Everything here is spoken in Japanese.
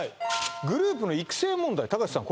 「グループの育成問題」たかしさん